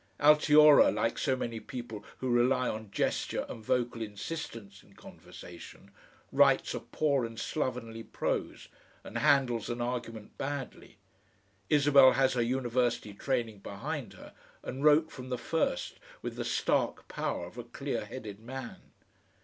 Altiora, like so many people who rely on gesture and vocal insistence in conversation, writes a poor and slovenly prose and handles an argument badly; Isabel has her University training behind her and wrote from the first with the stark power of a clear headed man.